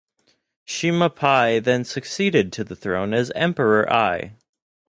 Sima Pi then succeeded to the throne as Emperor Ai.